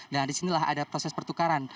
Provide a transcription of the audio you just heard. dan disinilah ada proses pertukaran